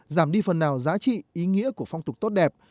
giảm đi phần nào giá trị ý nghĩa của phong tục tốt đẹp